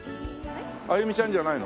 歩ちゃんじゃないの？